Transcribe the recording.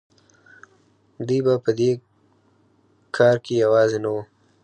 دوی په دې کار کې یوازې نه وو.